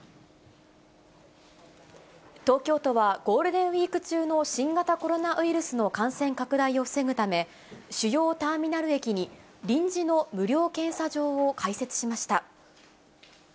東京都は、ゴールデンウィーク中の新型コロナウイルスの感染拡大を防ぐため、主要ターミナル駅に、臨時の無料検査場を開設しました。